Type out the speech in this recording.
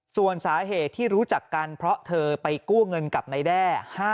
ส่วนสาเหตุที่รู้จักกันเพราะเธอไปกู้เงินกับนายแด้